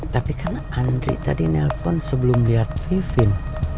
tapi kan andri tadi nelfon sebelum liat vivien